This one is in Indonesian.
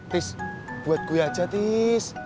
tis buat gue aja tis